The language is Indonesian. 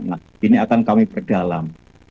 nah ini akan kami perdalam